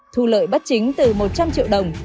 thu lợi bất chính từ một trăm linh triệu đồng